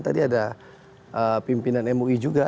tadi ada pimpinan mui juga